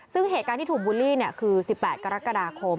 ซึ่งเหตุการณ์ที่ถูกบูลลี่คือ๑๘กรกฎาคม